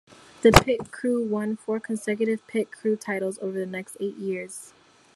The pit crew won four consecutive Pit Crew Titles over the next eight years.